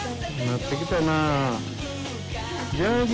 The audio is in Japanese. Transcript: なってきたなあ。